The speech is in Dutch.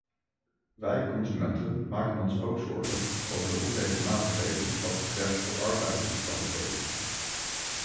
Wij consumenten maken ons ook zorgen over de onregelmatigheden wat betreft de arbeidsomstandigheden.